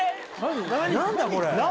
何だこれ？